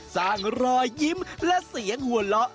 รอยยิ้มและเสียงหัวเราะ